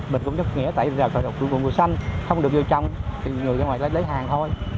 mình cũng chấp nghĩa tẩy rào khởi động dụng của mùa xanh không được vô trong thì người ra ngoài lấy hàng thôi